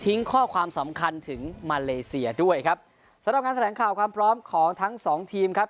ข้อความสำคัญถึงมาเลเซียด้วยครับสำหรับงานแถลงข่าวความพร้อมของทั้งสองทีมครับ